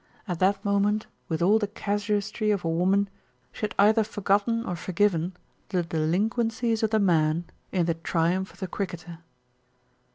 At that moment, with all the casuistry of a woman, she had either forgotten or forgiven the delinquencies of the man in the triumph of the cricketer.